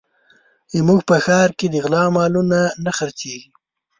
زموږ په ښار کې د غلا مالونه نه خرڅېږي